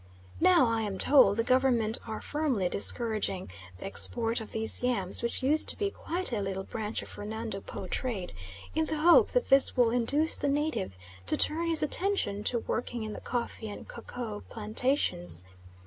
Now, I am told, the Government are firmly discouraging the export of these yams, which used to be quite a little branch of Fernando Po trade, in the hope that this will induce the native to turn his attention to working in the coffee and cacao plantations.